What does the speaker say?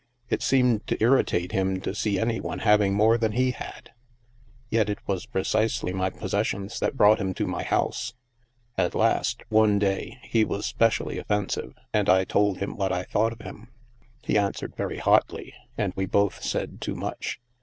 It seemed to irritate him to see any one having more than he had. Yet it was precisely my possessions that brought him to my house. At last, one day, he was specially offensive, and I told him what I thought of him; he answered very hotly, and we both said too much.